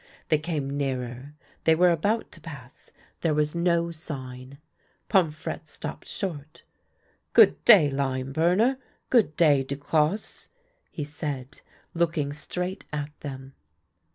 They came nearer ; they were about to pass ; there was no sign. Pomfrette stopped short. " Good day, lime burner ; good day, Duclosse," he said, looking straight at them.